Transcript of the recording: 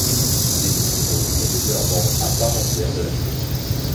Il est donc aujourd'hui devenu un membre à part entière de la tribu.